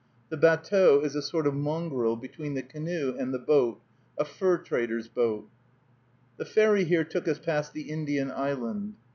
The batteau is a sort of mongrel between the canoe and the boat, a fur trader's boat. The ferry here took us past the Indian island.